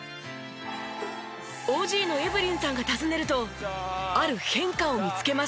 ＯＧのエブリンさんが訪ねるとある変化を見つけました。